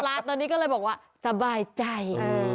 ร้านตอนนี้ก็เลยบอกว่าสบายใจ